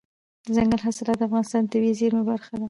دځنګل حاصلات د افغانستان د طبیعي زیرمو برخه ده.